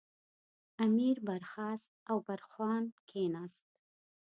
امیر برخاست او برخوان کېناست.